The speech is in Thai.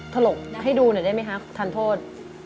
ถลกให้ดูหน่อยได้ไหมคะทานโทษ